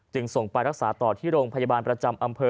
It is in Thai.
ส่งไปรักษาต่อที่โรงพยาบาลประจำอำเภอ